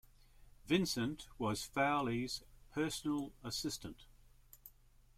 Vincent was Fowley's personal assistant.